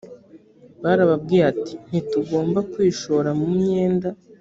barababwiye bati ntitugomba kwishora mu myenda